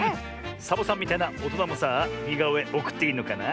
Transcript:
サボさんみたいなおとなもさあにがおえおくっていいのかな？